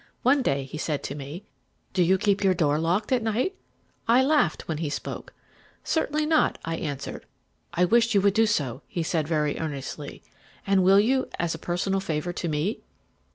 One day he said to me: "'Do you keep your door locked at night?' "I laughed when he spoke. "'Certainly not,' I answered. "'I wish you would do so,' he said very earnestly; 'will you, as a personal favour to me?'